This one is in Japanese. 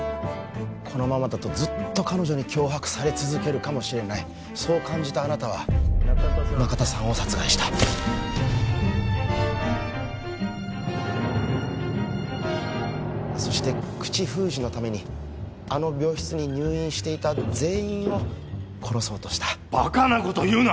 このままだとずっと彼女に脅迫され続けるかもしれないそう感じたあなたは中田さんを殺害したそして口封じのためにあの病室に入院していた全員を殺そうとしたバカなこと言うな！